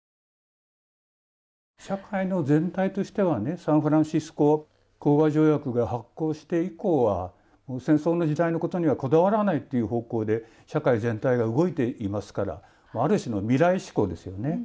社会の全体としてはサンフランシスコ講和条約が発効して以降は戦争の時代のことにはこだわらないという方向で社会全体が動いていますからある種の未来志向ですよね。